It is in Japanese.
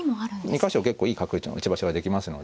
２か所結構いい角打ちの打ち場所ができますので。